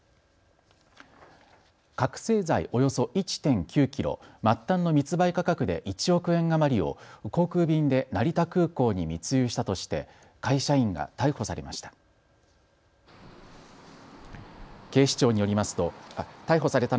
覚醒剤およそ１．９キロ、末端の密売価格で１億円余りを航空便で成田空港に密輸したとして会社員が逮捕されました。